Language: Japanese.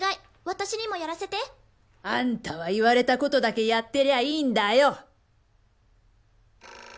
私にもやらせて！あんたは言われたことだけやってりゃいいんだよ！